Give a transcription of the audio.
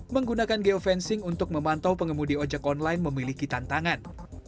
menggunakan geofencing untuk memantau pengemudi ojek online memiliki tantangan